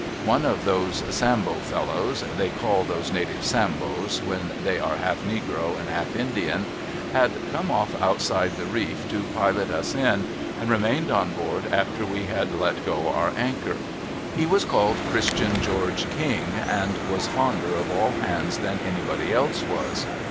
One of those Sambo fellows — they call those natives Sambos, when they are half negro and half Indian — had come off outside the reef, to ])ilot us in, and remained on board after w^e had let go our anchor. He was called Christian George King, and was fonder of all hands than anybody else was.